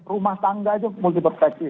rumah tangga itu multi perspektif